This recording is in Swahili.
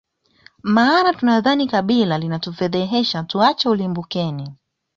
maana tunadhani kabila linatufedhehesha tuache ulimbukeni